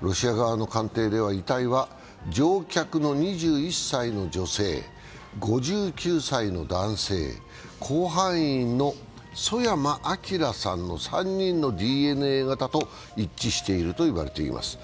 ロシア側の鑑定では、遺体は乗客の２１歳の女性、５９歳の男性、甲板員の曽山聖さんの３人のＤＮＡ型と一致しているといわれています。